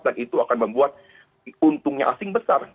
dan itu akan membuat untungnya asing besar